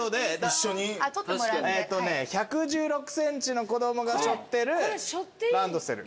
えっとね１１６ｃｍの子供がしょってるランドセル。